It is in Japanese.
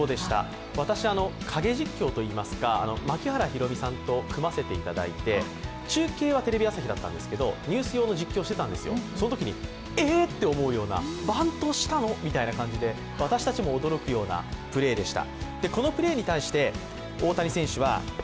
私、影実況といいますか、槙原寛己さんと組ませていただいて、中継はテレビ朝日だったんですけどニュース用の実況をしていたんですよ、そのときに、エエッ！って思うような、バントしたの？！と私たちも驚くようなプレーでした。